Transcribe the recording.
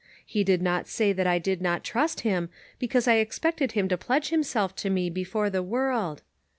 He did not say that I did not trust him, because I expected him to pledge himself to me before the world.